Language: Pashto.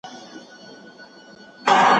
مه راځه خزانه زه پخوا لا رژېدلی یم